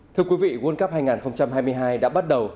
thưa quý vị world cup hai nghìn hai mươi hai đã bắt đầu